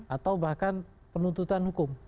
atau bahkan penuntutan hukum